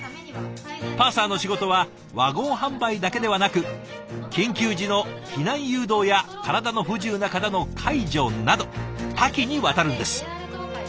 パーサーの仕事はワゴン販売だけではなく緊急時の避難誘導や体の不自由な方の介助など多岐にわたるんです。